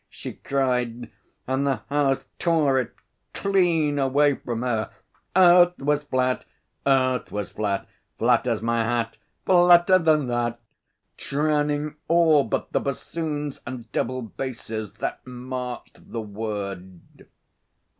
she cried, and the house tore it clean away from her 'Earth was flat Earth was flat. Flat as my hat Flatter than that' drowning all but the bassoons and double basses that marked the word.